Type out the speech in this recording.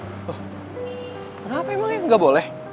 loh kenapa emang ya gak boleh